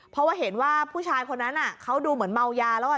เพราะว่าเห็นว่าผู้ชายคนนั้นเขาดูเหมือนเมายาแล้วอ่ะ